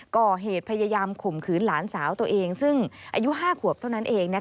ก่อเหตุพยายามข่มขืนหลานสาวตัวเองซึ่งอายุ๕ขวบเท่านั้นเอง